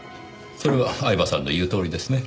それは饗庭さんの言うとおりですね。